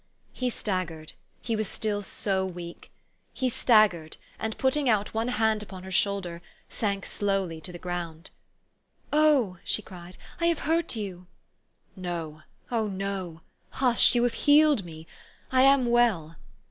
He staggered, he was still so weak : he staggered, 184 THE STOKY OF AVIS. and, putting out one hand upon her shoulder, sank slowly to the ground. " Oh !" she cried, " I have hurt you !" "No, oh, no! Hush! You have healed me. I am well.